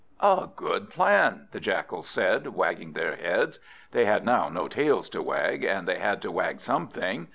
"A good plan," the Jackals said, wagging their heads. They had now no tails to wag, and they had to wag something.